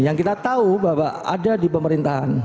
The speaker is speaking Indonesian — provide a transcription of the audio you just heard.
yang kita tahu bahwa ada di pemerintahan